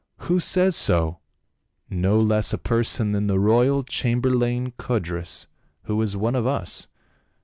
" Who says so ?"" No less a person than the royal chamberlain Codrus, who is one of us.